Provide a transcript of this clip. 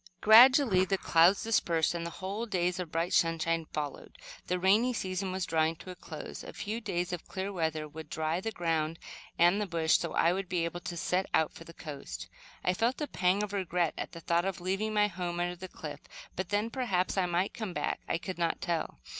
Gradually the clouds dispersed, and whole days of bright sunshine followed. The rainy season was drawing to a close. A few days of clear weather would dry the ground and the bush so I would be able to set out for the coast. I felt a pang of regret at the thought of leaving my home under the cliff; but then, perhaps I might come back. I could not tell.